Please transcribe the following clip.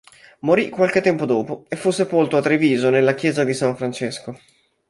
Morì qualche tempo dopo e fu sepolto a Treviso nella chiesa di San Francesco.